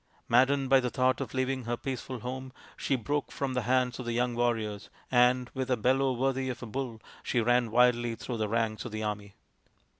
" Maddened by the thought of leaving her peaceful home, she broke from the hands of the young warriors, and, with a bellow worthy of a bull, she ran wildly through the ranks of the army.